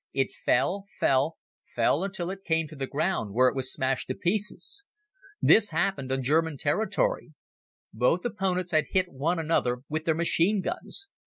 It fell, fell, fell until it came to the ground where it was smashed to pieces. This happened on German territory. Both opponents had hit one another with their machine guns.